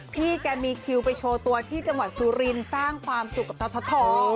พี่แกมีคิวไปโชว์ตัวที่จังหวัดสุรินทร์สร้างความสุขกับทท